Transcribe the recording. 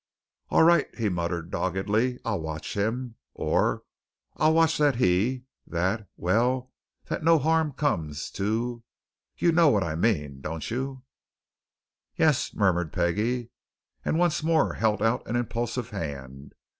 "All right!" he muttered doggedly. "I'll watch him or, I'll watch that he that well, that no harm comes to you know what I mean, don't you?" "Yes," murmured Peggie, and once more held out an impulsive hand.